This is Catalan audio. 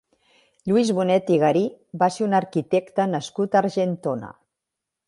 Lluís Bonet i Garí va ser un arquitecte nascut a Argentona.